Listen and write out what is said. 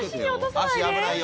足危ないよ。